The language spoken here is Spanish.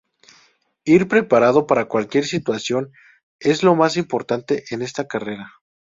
Ir preparado para cualquier situación es lo más importante en esta carrera.